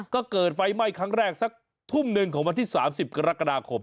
ก็เกิดไฟไหม้ครั้งแรกสักทุ่มหนึ่งของวันที่๓๐กรกฎาคม